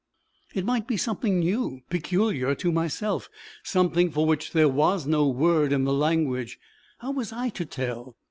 It might be something new, peculiar to myself; something for which there was no word in the language! How was I to tell?